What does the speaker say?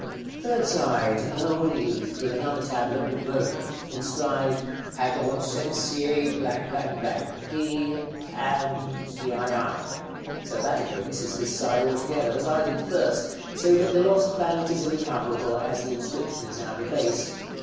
Third side. An older youth, with another tablet, but broken. Inscribed "ADOLOSCENCIE P. AN. VII." Selvatico misses this side altogether, as I did the first, so that the lost planet is irrecoverable, as the inscription is now defaced.